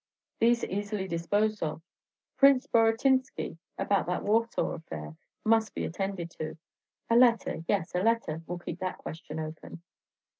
These easily disposed of. Prince Boratinsky, about that Warsaw affair, must be attended to; a letter, yes, a letter, will keep that question open.